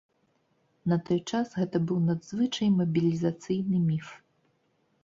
На той час гэта быў надзвычай мабілізацыйны міф.